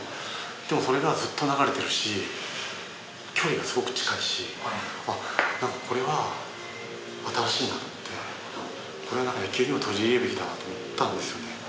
でもそれがずっと流れてるし距離がすごく近いしあっこれは新しいなと思ってこれは野球にも取り入れるべきだなと思ったんですよね